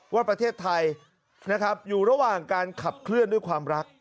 ว่าประเทศไทยนะครับอยู่ระหว่างการขับเคลื่อนด้วยความรัก